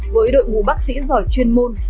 với đội ngũ bác sĩ giỏi chuyên môn